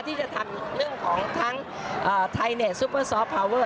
ที่จะทำเรื่องของทั้งไทยเนสซุปเปอร์ซอฟพาวเวอร์